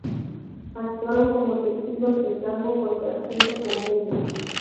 Actuaron como testigos de cargo contra Quinto Pompeyo.